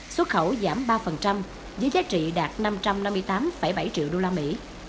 xuất khẩu giảm ba với giá trị đạt năm trăm năm mươi tám bảy triệu đô la mỹ